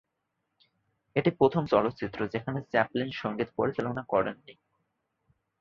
এটি প্রথম চলচ্চিত্র যেখানে চ্যাপলিন সঙ্গীত পরিচালনা করেন নি।